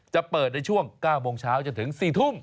จะเปิดในช่วง๙โมงเช้าจนถึง๔ทุ่ม